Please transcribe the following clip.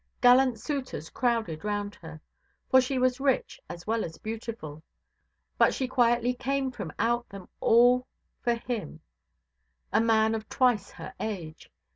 Gallant suitors crowded round her, for she was rich as well as beautiful; but she quietly came from out them all for him, a man of twice her age.